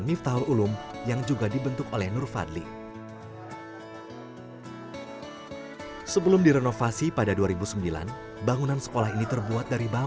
mata pelajaran tentu tentu membutuhkan alat peragam